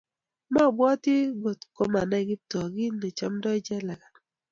mobwoti ngot ko manai Kiptoo kiit nechomdoi Jelagat